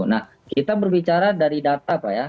nah kita berbicara dari data pak ya